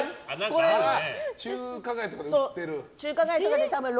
これは中華街とかに売ってる？